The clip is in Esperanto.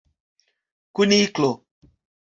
Kuniklo!